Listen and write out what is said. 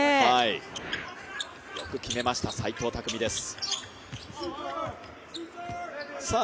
よく決めました齋藤拓実です。